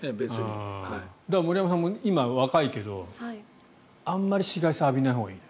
森山さんも今、若いけどあまり紫外線を浴びないほうがいい。